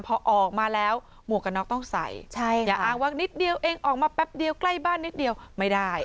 พอออกมาแล้วหมวกกันน็อกต้องใส่อย่าอ้างว่านิดเดียวเองออกมาแป๊บเดียวใกล้บ้านนิดเดียวไม่ได้